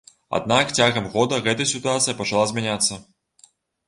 Аднак цягам года гэта сітуацыя пачала змяняцца.